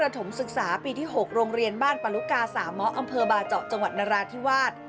ที่๖โรงเรียนบ้านปรุกาสาม้ออำเภอบาเจาะจังหวัดนรทิวาล